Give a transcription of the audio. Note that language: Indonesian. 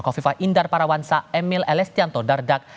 kofifa indar parawansa emil elestianto dardak